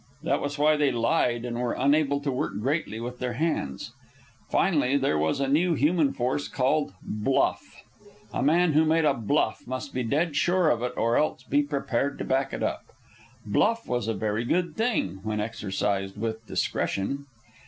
That was why they lied and were unable to work greatly with their hands. Finally, there was a new human force called "bluff." A man who made a bluff must be dead sure of it, or else be prepared to back it up. Bluff was a very good thing when exercised with discretion.